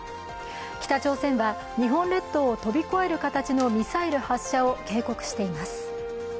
北朝鮮は、日本列島を飛び越える形のミサイル発射を警告しています。